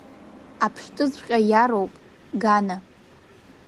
Аԥштәыҵәҟьа иароуп, Гана!